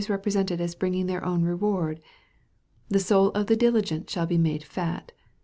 represented as bringing their own reward. " The soul of the diligent shall be made fat."